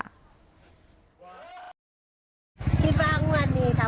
พี่บ้านวันนี้ค่ะ